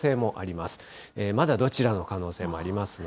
まだどちらの可能性もありますの